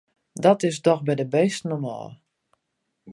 Dat is dochs by de bisten om't ôf!